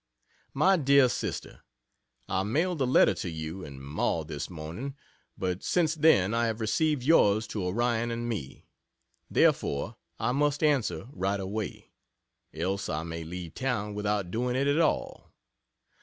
MY DEAR SISTER, I mailed a letter to you and Ma this morning, but since then I have received yours to Orion and me. Therefore, I must answer right away, else I may leave town without doing it at all.